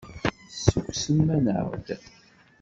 Tessukksem-aneɣ-d.